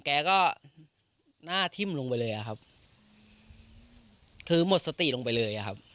แกก็หน้าทิ่มลงไปเลยอะครับคือหมดสติลงไปเลยอะครับ